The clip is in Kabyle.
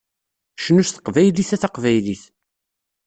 Cnu s teqbaylit a taqbaylit!